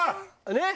ねっ？